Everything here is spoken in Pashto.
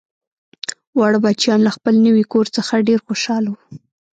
واړه بچیان له خپل نوي کور څخه ډیر خوشحاله وو